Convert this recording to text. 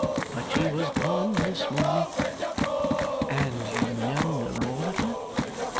But she was gone this morning.' 'And you know no more of her?